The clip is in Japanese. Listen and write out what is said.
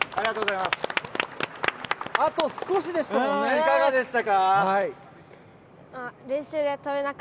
いかがでしたか？